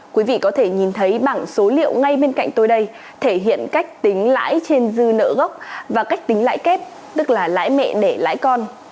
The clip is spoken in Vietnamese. quý vị có thể nhìn thấy bảng số liệu ngay bên cạnh tôi đây thể hiện cách tính lãi trên dư nợ gốc và cách tính lãi kép tức là lãi mẹ để lãi con